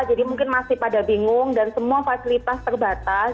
jadi mungkin masih pada bingung dan semua fasilitas terbatas